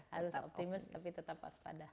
harus optimis tapi tetap waspada